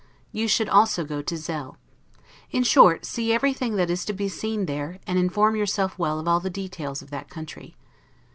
You should also go to Zell. In short, see everything that is to be seen there, and inform yourself well of all the details of that country.